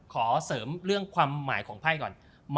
ขอเสริมเรื่องความหมายของไพ่ก่อน